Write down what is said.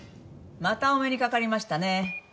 「またお目にかかりましたね」